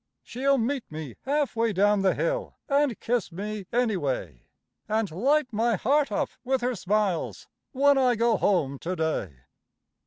She'll meet me half way down the hill, and kiss me, any way; And light my heart up with her smiles, when I go home to day!